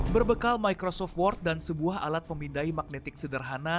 berbekal microsoft word dan sebuah alat pemindai magnetik sederhana